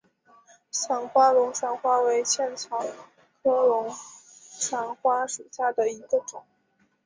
散花龙船花为茜草科龙船花属下的一个种。